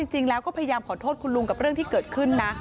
จริงแล้วก็พยายามขอโทษคุณลุงกับเรื่องที่เกิดขึ้นนะ